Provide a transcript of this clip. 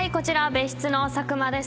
別室の佐久間です。